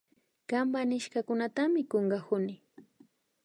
Kanpa nishkakunatami kunkakuni